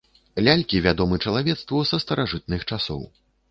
Лялькі вядомы чалавецтву са старажытных часоў.